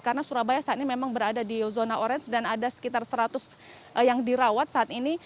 karena surabaya saat ini memang berada di zona orange dan ada sekitar seratus yang dirawat saat ini